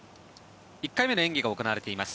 １回目の演技が行われています。